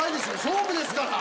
勝負ですから。